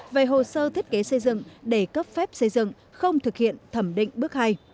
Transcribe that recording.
về hồ sơ thiết kế xây dựng để cấp phép xây dựng không thực hiện thẩm định bước hai